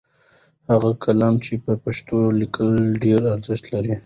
هغه قلم چې په پښتو لیکي ډېر ارزښت لري.